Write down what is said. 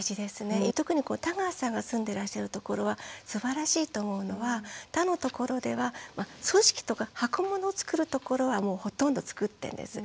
特に田川さんが住んでいらっしゃるところはすばらしいと思うのは他のところでは組織とか箱物をつくるところはもうほとんどつくってるんです。